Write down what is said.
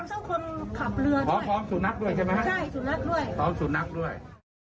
อ๋อพร้อมสู่นักด้วยใช่ไหมครับใช่สู่นักด้วยพร้อมสู่นักด้วย